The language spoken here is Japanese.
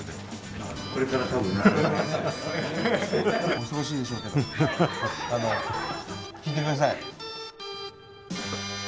お忙しいでしょうけど聴いてください。